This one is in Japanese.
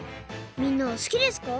みんなはすきですか？